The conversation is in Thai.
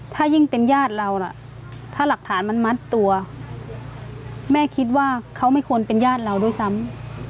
ถ้ายิ่งเป็นญาติเราน่ะถ้าหลักฐานมันมัดตัวแม่คิดว่าเขาไม่ควรเป็นญาติเราด้วยซ้ำ